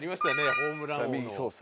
ホームラン王の。